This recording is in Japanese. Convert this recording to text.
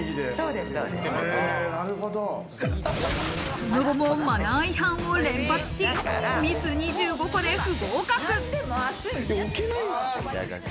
その後もマナー違反を連発し、ミス２５個で不合格。